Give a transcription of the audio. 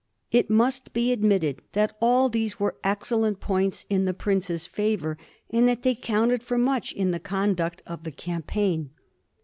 It must be admitted that all these were excellent points in the prince's favor, and that they counted for much in the conduct of the campaign.